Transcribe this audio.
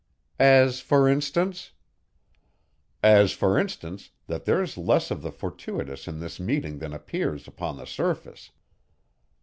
'" "As for instance?" "As for instance that there's less of the fortuitous in this meeting than appears upon the surface."